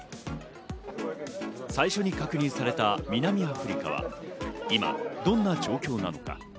最初に確認された南アフリカは今どんな状況なのか。